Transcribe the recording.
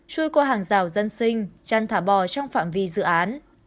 trôi qua hàng rào dân sinh chăn thả bò trong phạm vi dự án